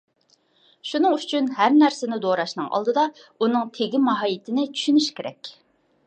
شۇنىڭ ئۈچۈن ھەر نەرسىنى دوراشنىڭ ئالدىدا ئۇنىڭ تېگى ماھىيىتىنى چۈشىنىش كېرەك.